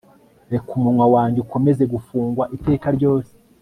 reka umunwa wanjye ukomeze gufungwa iteka ryose